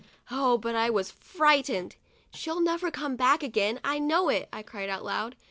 Oh, but I was frightened !" She'll never come back again, I know it!' I cried out loud.